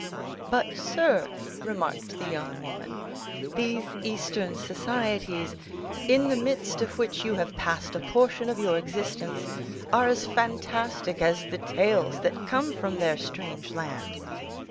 "But, sir," remarked the young woman, "these Eastern societies, in the midst of which you have passed a portion of your existence, are as fantastic as the tales that come from their strange land.